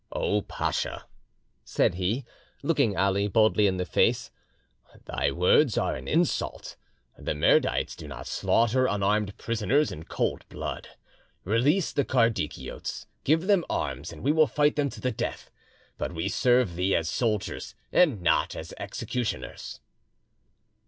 "O Pacha!" said he, looking Ali boldly in the face, "thy words are an insult; the Mirdites do not slaughter unarmed prisoners in cold blood. Release the Kardikiotes, give them arms, and we will fight them to the death; but we serve thee as soldiers and not as executioners."